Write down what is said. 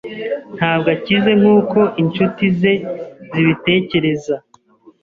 ntabwo akize nkuko inshuti ze zibitekereza.